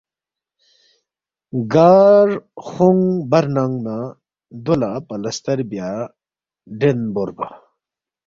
گار خونگ بر ننگ نہ دو لہ پلستر بیا ڈین بوربا